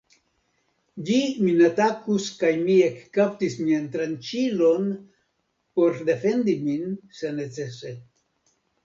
Ĝi min atakus kaj mi ekkaptis mian tranĉilon por defendi min, se necese.